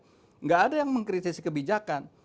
tidak ada yang mengkritisi kebijakan